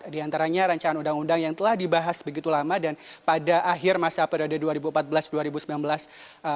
di antaranya rancangan undang undang yang telah dibahas begitu lama dan pada akhir masa periode dua ribu empat belas dua ribu sembilan belas